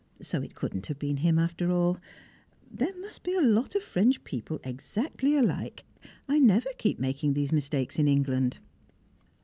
So it could not have been him after all; there must be a lot of French people exactly alike, I never keep making these mistakes in England.